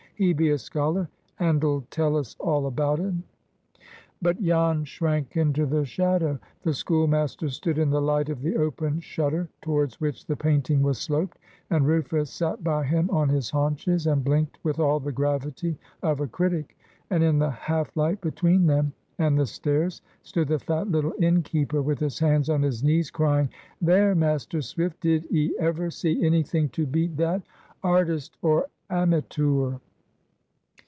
He be a scholar, and'll tell us all about un." But Jan shrank into the shadow. The schoolmaster stood in the light of the open shutter, towards which the painting was sloped, and Rufus sat by him on his haunches, and blinked with all the gravity of a critic; and in the half light between them and the stairs stood the fat little innkeeper, with his hands on his knees, crying, "There, Master Swift! Did 'ee ever see any thing to beat that? Artis' or ammytoor!"